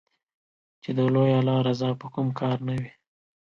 چې د لوی الله رضا په کوم کار نــــــــه وي